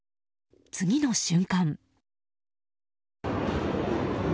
次の瞬間。